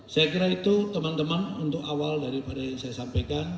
saya kira itu teman teman untuk awal daripada yang saya sampaikan